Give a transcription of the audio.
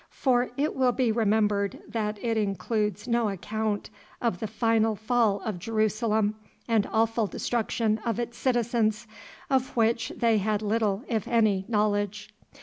For it will be remembered that it includes no account of the final fall of Jerusalem and awful destruction of its citizens, of which they had little if any knowledge.